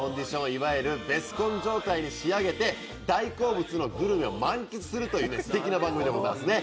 いわゆるベスコンに仕上げて大好物のグルメを満喫するというすてきな番組でございますね。